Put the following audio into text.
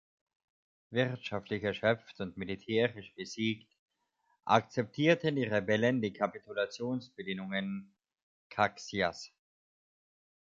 Wirtschaftlich erschöpft und militärisch besiegt, akzeptierten die Rebellen die Kapitulationsbedingungen Caxias'.